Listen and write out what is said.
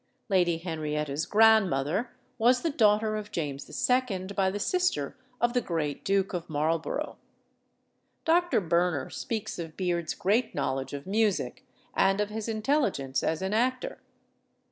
Lady Henrietta's grandmother was the daughter of James II. by the sister of the great Duke of Marlborough. Dr. Burner speaks of Beard's great knowledge of music and of his intelligence as an actor.